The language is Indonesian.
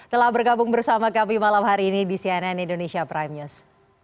telah bergabung bersama kami malam hari ini di cnn indonesia prime news